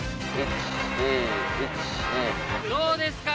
どうですか？